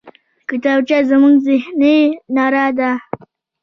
کتابچه زموږ ذهني رڼا ده